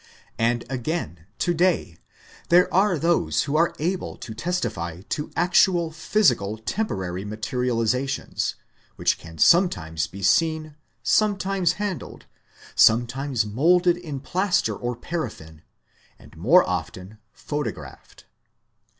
And, again, to day there are those who are able to testify to actual physical temporary materialisations, which can sometimes be seen, sometimes handled, sometimes moulded in plaster or paraffin, and more often photographed.